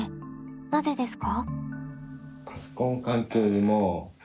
なぜですか？